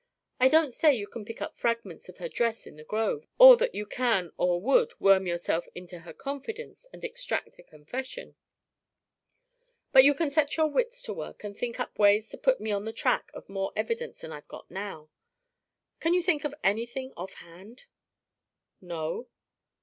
I don't say you can pick up fragments of her dress in the grove, or that you can or would worm yourself into her confidence and extract a confession. But you can set your wits to work and think up ways to put me on the track of more evidence than I've got now. Can you think of anything off hand?" "No."